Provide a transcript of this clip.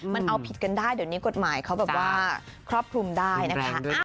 มันเอาผิดกันได้เดี๋ยวนี้กฎหมายเขาแบบว่าครอบคลุมได้นะคะ